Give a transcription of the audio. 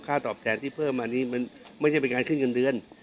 ตอบแทนที่เพิ่มมานี้มันไม่ใช่เป็นการขึ้นเงินเดือน